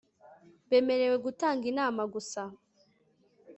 bemerewe gutanga inama gusa